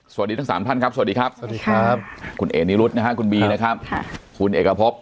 สวัสดีทั้งสามท่านครับสวัสดีครับสวัสดีครับคุณเอนิรุธนะฮะคุณบีนะครับคุณเอกพบ